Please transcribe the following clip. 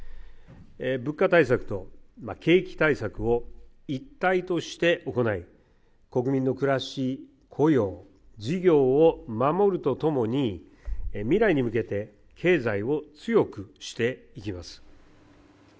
物価対策と景気対策を一体として行い国民の暮らし、雇用事業を守ると共に未来に向けて経済を強くしていきます。